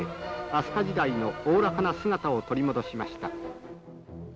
飛鳥時代のおおらかな姿を取り戻しました。